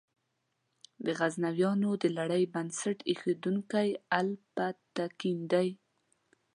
د غزنویانو د لړۍ بنسټ ایښودونکی الپتکین دی.